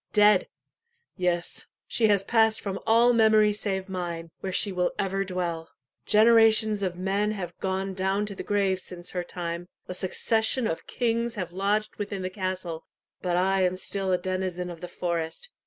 Dead! yes, she has passed from all memory save mine, where she will ever dwell. Generations of men have gone down to the grave since her time a succession of kings have lodged within the castle but I am still a denizen of the forest.